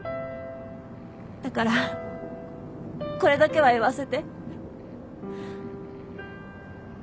だからこれだけは言わせて。